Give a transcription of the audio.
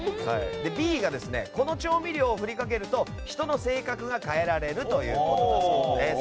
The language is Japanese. Ｂがこの調味料を振りかけると人の性格を変えられるというものです。